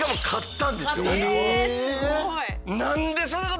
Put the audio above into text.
えすごい！